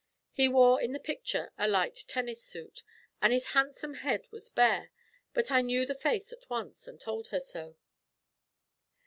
He wore in the picture a light tennis suit, and his handsome head was bare; but I knew the face at once, and told her so.